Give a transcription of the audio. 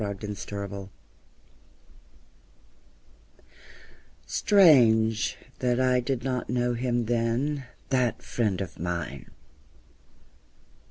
An Old Story Strange that I did not know him then, That friend of mine!